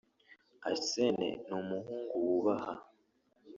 Arsene ni umuhungu wubaha